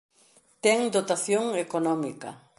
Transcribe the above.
Ten dotación económica.